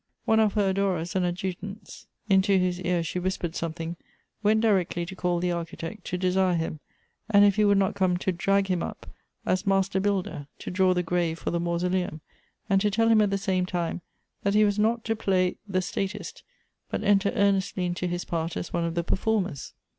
One of her adorers and adjutants, into whose ear she whispered something, went directly to call the Architect, to desire him, and if he would not come to drag him up, as master builder, to draw the grave for the mausoleum, and to tell him at the same time that he was not to play the Elective Affinities. 179 statist, but enter earnestly into his part as one of the performers.